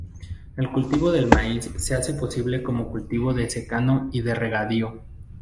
El cultivo del maíz se hace posible como cultivo de secano y de regadío.